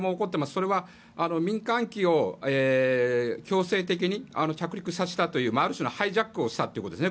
それは、民間機を強制的に着陸させたというある意味、ハイジャックをしたということですね。